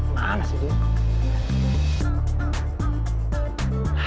mana sih dia